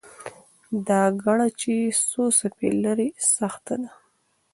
دا ګړه چې څو څپې لري، سخته ده.